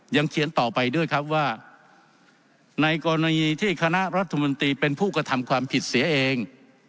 เขียนต่อไปด้วยครับว่าในกรณีที่คณะรัฐมนตรีเป็นผู้กระทำความผิดเสียเอง